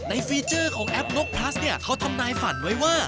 ฟีเจอร์ของแอปนกพลัสเนี่ยเขาทำนายฝันไว้ว่า